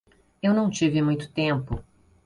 Eu não tive muito tempo.